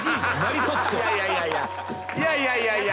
いやいやいやいや。